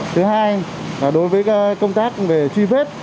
thứ hai đối với công tác về truy vết